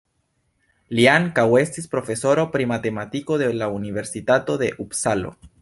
Li ankaŭ estis profesoro pri matematiko de la Universitato de Upsalo.